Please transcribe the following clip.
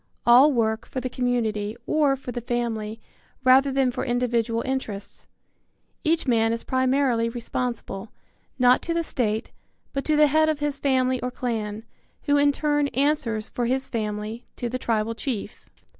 All work for the community, or for the family, rather than for individual interests. Each man is primarily responsible, not to the state, but to the head of his family or clan, who in turn answers for his family to the tribal chief.